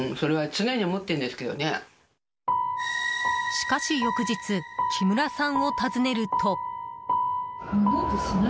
しかし翌日木村さんを訪ねると。